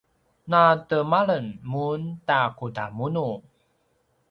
na temalem mun ta kudamunu?